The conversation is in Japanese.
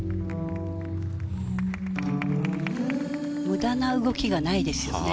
無駄な動きがないですよね。